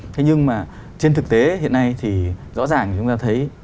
thế nhưng mà trên thực tế hiện nay thì rõ ràng chúng ta thấy